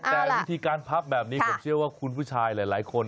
แต่วิธีการพับแบบนี้ผมเชื่อว่าคุณผู้ชายหลายคน